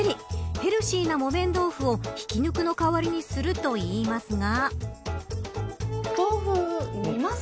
ヘルシーな木綿豆腐をひき肉の代わりにするといいますが。